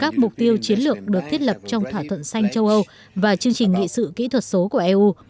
các mục tiêu chiến lược được thiết lập trong thỏa thuận xanh châu âu và chương trình nghị sự kỹ thuật số của eu